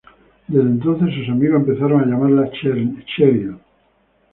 Desde entonces, sus amigos empezaron a llamarla "Cheryl".